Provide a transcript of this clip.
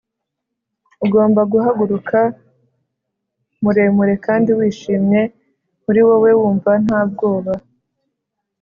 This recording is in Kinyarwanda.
ugomba guhaguruka muremure kandi wishimye, muri wowe wumva nta bwoba,